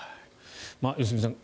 良純さん